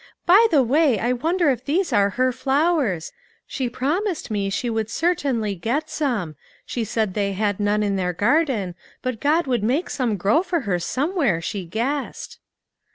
By the way, I wonder if these are her flowers ? She promised AN UNEXPECTED HELPER. 233 me she would certainly get some ; she said they had none in their garden, but God would make some grow for her somewhere she guessed."